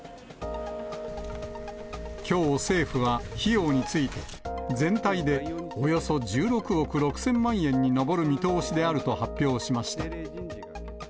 きょう政府は、費用について、全体でおよそ１６億６０００万円に上る見通しであると発表しました。